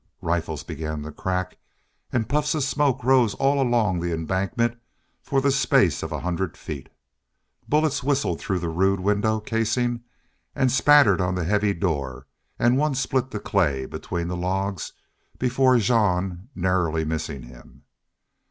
Rifles began to crack, and puffs of smoke rose all along the embankment for the space of a hundred feet. Bullets whistled through the rude window casing and spattered on the heavy door, and one split the clay between the logs before Jean, narrowly missing him.